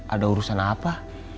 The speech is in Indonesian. ada urusan apa